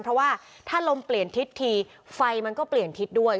เพราะว่าถ้าลมเปลี่ยนทิศทีไฟมันก็เปลี่ยนทิศด้วย